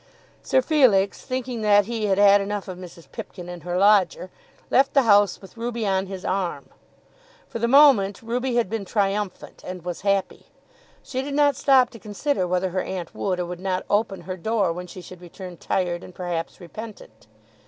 Sir Felix, thinking that he had had enough of Mrs. Pipkin and her lodger, left the house with Ruby on his arm. For the moment, Ruby had been triumphant, and was happy. She did not stop to consider whether her aunt would or would not open her door when she should return tired, and perhaps repentant.